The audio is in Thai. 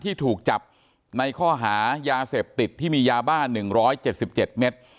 ที่ถูกจับในข้อหายาเสพติดที่มียาบ้านหนึ่งร้อยเจ็ดสิบเจ็ดเมตร